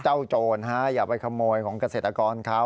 โจรอย่าไปขโมยของเกษตรกรเขา